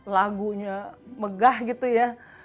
lagunya megah gitu ya